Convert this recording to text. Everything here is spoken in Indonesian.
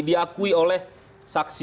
diakui oleh saksi